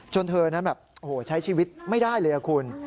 จนเธอนั้นแบบใช้ชีวิตไม่ได้เลยครับคุณ